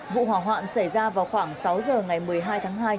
vụ hỏa hoạn xảy ra vào khoảng sáu giờ ngày một mươi hai tháng hai